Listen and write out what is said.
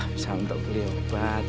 bisa untuk beli obat